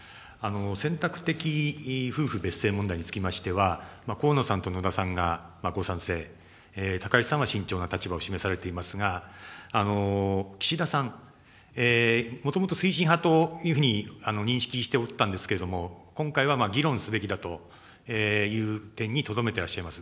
選択的夫婦別姓問題につきましては、河野さんと野田さんがご賛成、高市さんは慎重な立場を示されていますが、岸田さん、もともと推進派というふうに認識しておったんですけれども、今回は議論すべきだという点に、とどめてらっしゃいます。